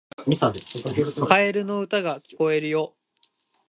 カエルの歌が聞こえてくるよ